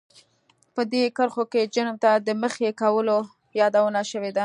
په دې کرښو کې جرم ته د مخې کولو يادونه شوې ده.